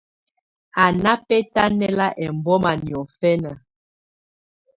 Á ná bɛ́tánɛ́la ɛmbɔ́má niɔ̀fɛna.